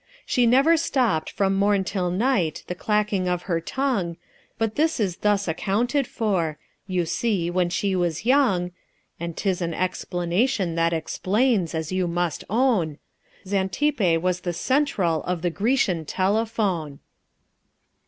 She never stopped from morn till night the clacking of her tongue, But this is thus accounted for: You see, when she was young (And 'tis an explanation that explains, as you must own), Xantippe was the Central of the Grecian telephone.